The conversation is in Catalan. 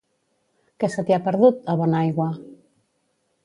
Què se t'hi ha perdut, a Bonaigua?